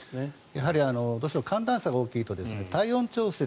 やはりどうしても寒暖差が大きいと、体温調節